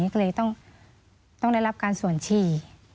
ก็เลยต้องได้รับการส่วนฉี่